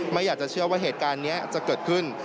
ไม่อยากจะเชื่อว่าเหตุการณ์นี้จะเกิดขึ้น